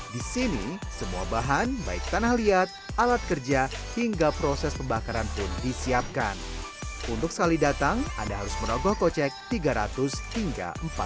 di sini semua bahan baik tanah liat alat kerja hingga proses pembakaran pun disiapkan untuk saling datang anda harus merogoh kocek tiga ratus hingga empat ratus